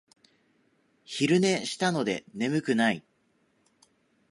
昼寝したので眠くない